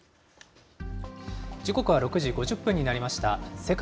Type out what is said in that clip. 時刻は６時５０分になりました。